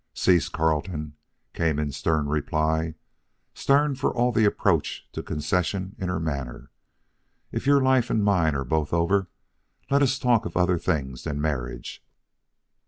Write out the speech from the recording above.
"Cease, Carleton," came in stern reply stern for all the approach to concession in her manner. "If your life and my life are both over, let us talk of other things than marriage.